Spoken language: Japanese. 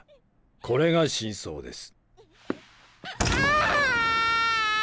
これが真相です。